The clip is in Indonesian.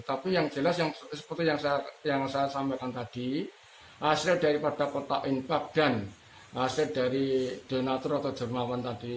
tapi yang jelas yang seperti yang saya sampaikan tadi hasil daripada kotak infak dan hasil dari donatur atau jermawan tadi